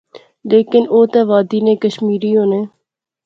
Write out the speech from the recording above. لیکن او تہ وادی نے کشمیری ہونے